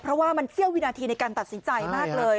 เพราะว่ามันเสี้ยววินาทีในการตัดสินใจมากเลย